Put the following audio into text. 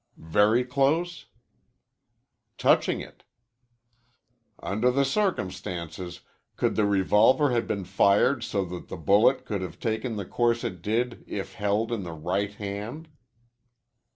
"Very close?" "Touching it." "Under the circumstances could the revolver have been fired so that the bullet could have taken the course it did if held in the right hand?"